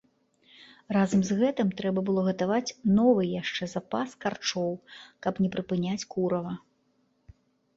Разам з гэтым трэба было гатаваць новы яшчэ запас карчоў, каб не прыпыняць курава.